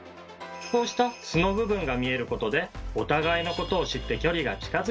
こうした素の部分が見えることでお互いのことを知って距離が近づき